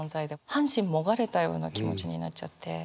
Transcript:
半身もがれたような気持ちになっちゃって。